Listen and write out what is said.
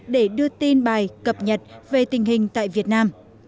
để đưa tin bài cập nhật về tình hình tại việt nam